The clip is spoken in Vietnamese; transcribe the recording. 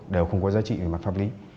đều không có giá trị về mặt pháp lý